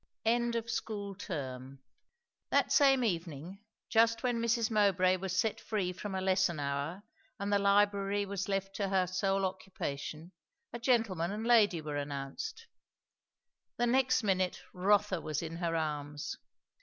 END OF SCHOOL TERM. That same evening, just when Mrs. Mowbray was set free from a lesson hour, and the library was left to her sole occupation, a gentleman and lady were announced. The next minute Rotha was in her arms.